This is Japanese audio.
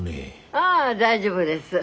☎ああ大丈夫です。